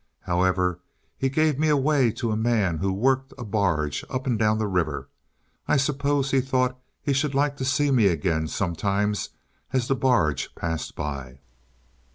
"However, he gave me away to a man who worked a barge up and down the river. I suppose he thought he should like to see me again sometimes as the barge passed by.